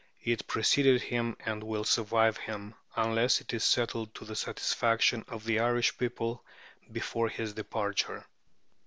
It preceded him and will survive him, unless it is settled to the satisfaction of the Irish people before his departure.